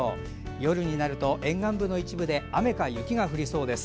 夜になると沿岸部の一部で雨か雪が降りそうです。